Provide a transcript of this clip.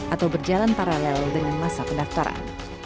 atau berjalan paralel dengan masa pendaftaran